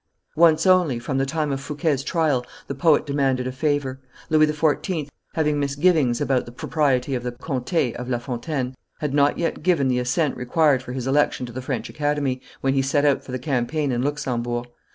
Once only, from the time of Fouquet's trial, the poet demanded a favor: Louis XIV., having misgivings about the propriety of the Contes of La Fontaine, had not yet given the assent required for his election to the French Academy, when he set out for the campaign in Luxemburg.